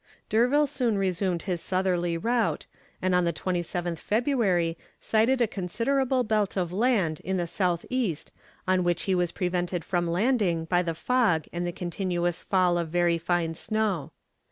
D'Urville soon resumed his southerly route, and on the 27th February sighted a considerable belt of land in the south east on which he was prevented from landing by the fog and the continuous fall of very fine snow.